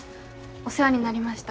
お世話になりました。